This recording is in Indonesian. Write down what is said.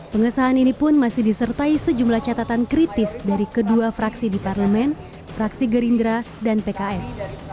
pengesahan ini pun masih disertai sejumlah catatan kritis dari kedua fraksi di parlemen fraksi gerindra dan pks